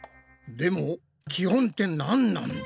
でも基本ってなんなんだ？